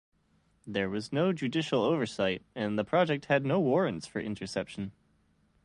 There was no judicial oversight, and the project had no warrants for interception.